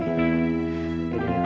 eh dulu ya bang